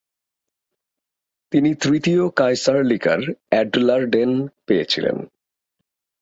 তিনি তৃতীয় কায়সার্লিকার অ্যাডলারডেন পেয়েছিলেন।